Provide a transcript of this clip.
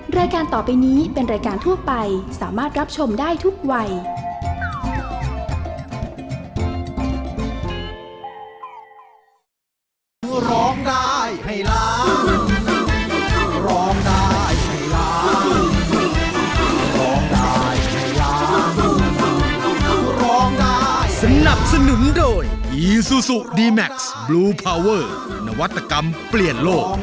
รายการต่อไปนี้เป็นรายการทั่วไปสามารถรับชมได้ทุกวัย